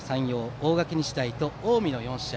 大垣日大と近江の４試合。